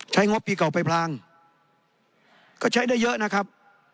งบปีเก่าไปพลางก็ใช้ได้เยอะนะครับ